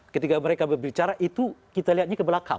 ketika mereka berbicara itu kita lihatnya ke belakang